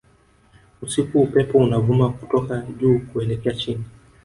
Usiku upepo unavuma kutoka juu kuelekea chini